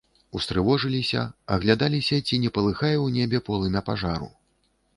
Устрывожыліся, аглядаліся, ці не палыхае ў небе полымя пажару.